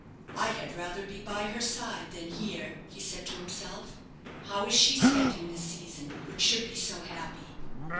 "I had rather be by her side than here," he said to himself. "How is she spending this season, which should be so happy?